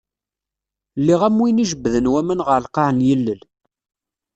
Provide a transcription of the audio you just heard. Lliɣ am win i jebden waman ɣer lqaɛ n yilel.